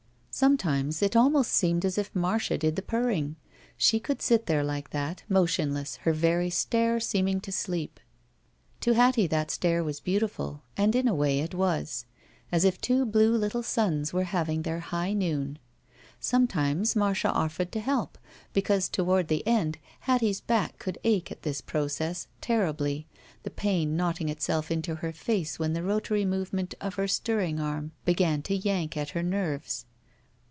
Sometimes it almost seemed as if Marda did the purring. She could sit like that, motionless, her very stare seeming to sleep. To Hattie that stare was beautiftd, and in a way it was. As if two blue little suns were having their high noon. Sometimes Marda offered to hdp, because toward the end, Hattie's back could ache at this process, terribly, the pain knotting itself into her face when the rotary movement of her stirring arm b^;an to yank at her nerves.